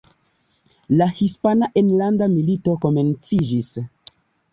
La Hispana Enlanda Milito komenciĝis.